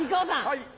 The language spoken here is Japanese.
はい。